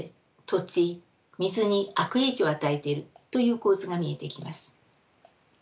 土地水に悪影響を与えているという構図が見えてきます。